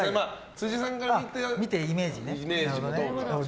辻さんから見てのイメージも。